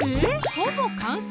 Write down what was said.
ほぼ完成？